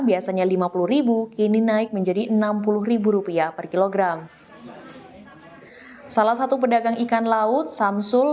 biasanya lima puluh kini naik menjadi enam puluh rupiah per kilogram salah satu pedagang ikan laut samsul